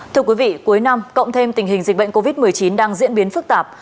thưa quý vị cuối năm cộng thêm tình hình dịch bệnh covid một mươi chín đang diễn biến phức tạp